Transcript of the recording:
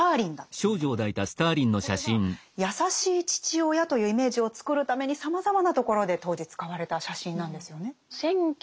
これは優しい父親というイメージを作るためにさまざまなところで当時使われた写真なんですよね。